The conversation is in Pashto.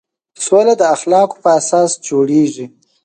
سوله د اخلاقو په اساس جوړېږي.